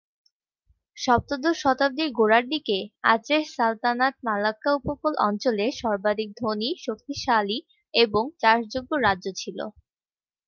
সপ্তদশ শতাব্দীর গোড়ার দিকে আচেহ সালতানাত মালাক্কা উপকূল অঞ্চলে সর্বাধিক ধনী, শক্তিশালী এবং চাষযোগ্য রাজ্য ছিল।